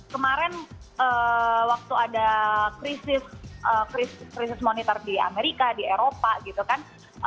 kemarin waktu ada krisis monitor di amerika di eropa gitu kan